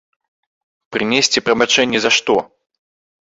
Прынесці прабачэнні за што?